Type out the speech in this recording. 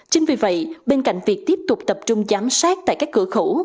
chính vì vậy bên cạnh việc tiếp tục tập trung giám sát tại các cửa khẩu